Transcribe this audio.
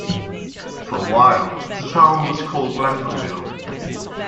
For a while, the town was called "Lampreyville".